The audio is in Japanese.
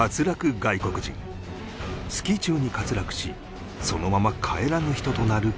スキー中に滑落しそのまま帰らぬ人となる事も